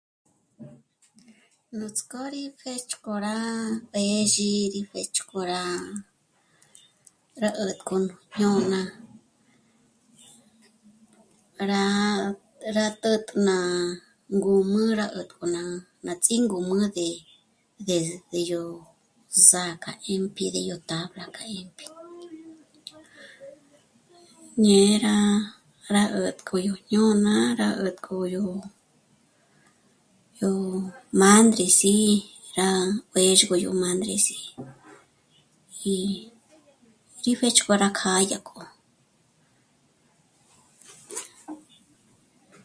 Nuts'kó rí pjë̌ch'k'o rá mbêzhi ndí pjë̌ch'ko rá... rá 'ä̀tk'o jñôna rá... ndä́'t'ä ná ngǔmü rá 'ä̀tk'o ná... ná ts'íngǔmü de... de... yó sâkja dyémp'e ndé yó tabla rá kja 'ë̀nt'e ñé'e rá... rá 'ätk'ä yó jñôna rá 'ä̀tk'o yó... yó... m'ândresi rá... mbêzhogö yó m'ândresi y... pjêxkjo rá kjâ'a dyák'o